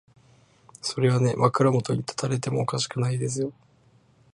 それはね、枕元に立たれてもおかしくないですよ。